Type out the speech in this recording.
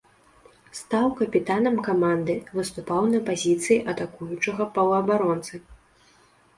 Стаў капітанам каманды, выступаў на пазіцыі атакуючага паўабаронцы.